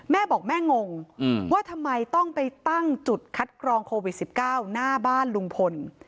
แม่บอกแม่งงว่าทำไมต้องไปตั้งจุดคัดกรองโควิด๑๙หน้าบ้านลุงพล